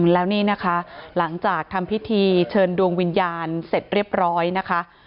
แล้วนี่นะคะหลังจากทำพิธีเชิญดวงวิญญาณเสร็จเรียบร้อยนะคะ